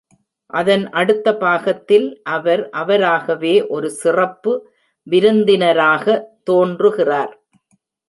அதன் அடுத்த பாகத்தில், அவர் அவராகவே ஒரு சிறப்பு விருந்தினராக தோன்றுகிறார்.